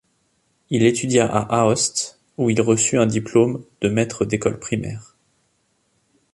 Il étudia à Aoste, où il reçut un diplôme de maître d'école primaire.